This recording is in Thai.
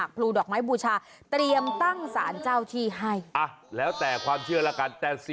อ่ะบอกแล้วที่เสียจำได้นำเบอร์วาออกไปแล้ว